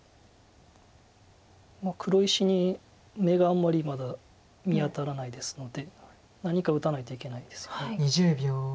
もう黒石に眼があんまりまだ見当たらないですので何か打たないといけないですよね。